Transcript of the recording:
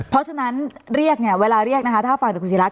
เพราะฉะนั้นเรียกเนี่ยเวลาเรียกนะคะถ้าฟังจากคุณศิรัต